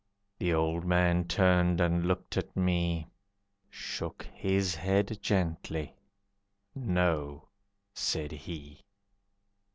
The old man turned and looked at me. Shook his head gently. "No," said he.